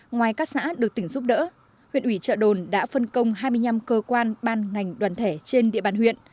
ngoài các xã được tỉnh giúp đỡ huyện ủy trợ đồn đã phân công hai mươi năm cơ quan ban ngành đoàn thể trên địa bàn huyện